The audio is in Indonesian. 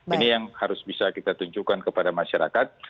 ini yang harus bisa kita tunjukkan kepada masyarakat